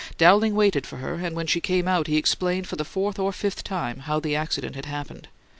Dowling waited for her, and when she came out he explained for the fourth or fifth time how the accident had happened.